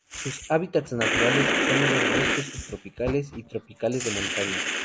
Sus hábitats naturales son los bosques subtropicales y tropicales de montaña.